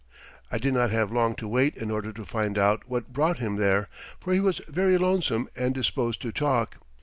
I did not have long to wait in order to find out what brought him there, for he was very lonesome and disposed to talk.